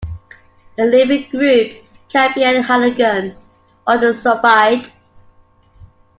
The leaving group can be a halogen or a sulfide.